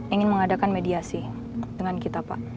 ingin mengadakan mediasi dengan kita pak